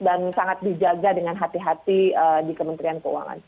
dan sangat dijaga dengan hati hati di kementerian keuangan